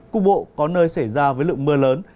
cục bộ có nơi xảy ra với lượng mưa lớn